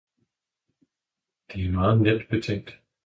»Det er meget net betænkt!